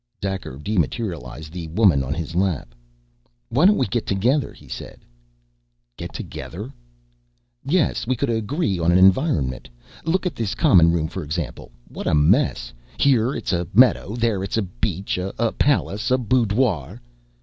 Daker dematerialised the woman on his lap. "Why don't we get together?" he said. "Get together?" "Yes. We could agree on an environment. Look at this common room for example. What a mess! Here, it's a meadow, there it's a beach, a palace, a boudoir."